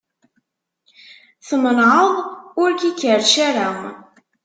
Tmenεeḍ ur k-ikerrec ara.